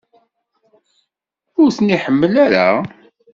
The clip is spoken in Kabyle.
Ur ten-iḥemmel ara?